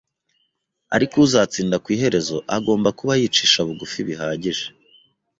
ariko uzatsinda ku iherezo, agomba kuba yicisha bugufi bihagije